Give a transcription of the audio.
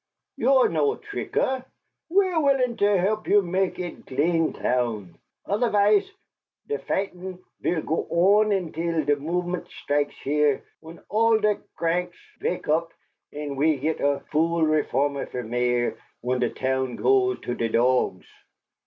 You are no tricker. We are willing to help you make it a glean town. Odervise der fightin' voult go on until der mofement strikes here und all der granks vake up und we git a fool reformer fer Mayor und der town goes to der dogs.